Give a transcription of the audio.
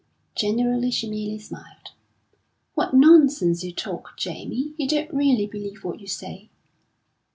Generally she merely smiled. "What nonsense you talk, Jamie! You don't really believe what you say."